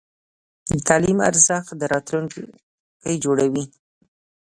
د تعلیم ارزښت د راتلونکي جوړوي.